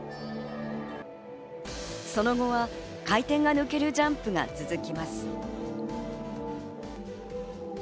その後は回転が抜けるジャンプが続きます。